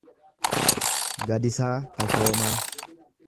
Gadisaa Tashoomaa